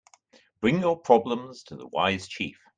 Bring your problems to the wise chief.